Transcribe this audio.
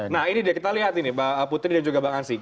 nah ini deh kita lihat ini mbak putri dan juga bang ansi